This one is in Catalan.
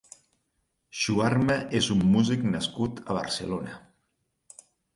Shuarma és un músic nascut a Barcelona.